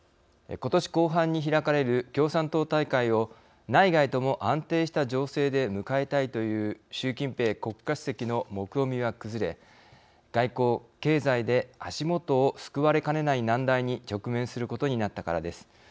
ことし後半に開かれる共産党大会を内外とも安定した情勢で迎えたいという習近平国家主席のもくろみは崩れ外交・経済で足元をすくわれかねない難題に直面することになったからです。